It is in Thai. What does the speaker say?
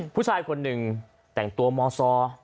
ผู้ชายคนหนึ่งแต่งตัวมซอ